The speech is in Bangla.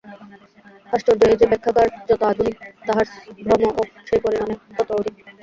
আশ্চর্য এই যে, ব্যাখ্যাকার যত আধুনিক, তাঁহার ভ্রমও সেই পরিমাণে তত অধিক।